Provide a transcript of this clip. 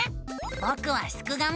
ぼくはすくがミ。